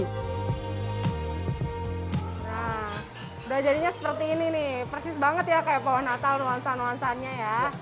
nah udah jadinya seperti ini nih persis banget ya kayak pohon natal nuansa nuansanya ya